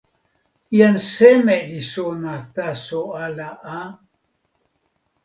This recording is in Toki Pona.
jan seme li sona taso ala a?